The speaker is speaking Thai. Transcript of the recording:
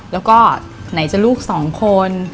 แล้วก็ไหนจะลูกสองคน